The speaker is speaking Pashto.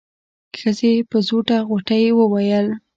ښځې په زوټه غوټۍ وويل.